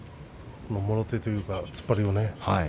大栄翔のもろ手というか突っ張りをね